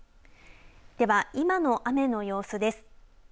では今の雨の様子です。